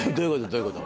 どういうこと？